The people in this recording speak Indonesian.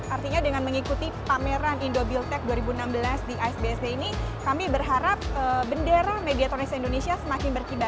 artinya dengan mengikuti pameran indo build tech dua ribu enam belas di isbsd ini kami berharap bendera mediatronics indonesia semakin berkiprah